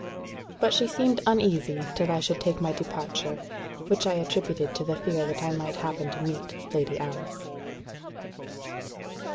But she seemed uneasy till I should take my departure, which I attributed to the fear that I might happen to meet Lady Alice.